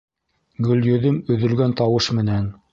Гөлйөҙөм өҙөлгән тауыш менән: